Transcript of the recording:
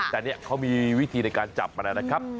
แต่นี่เขามีวิธีในการจับมาแล้วนะครับ